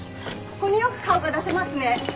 ここによく顔が出せますね。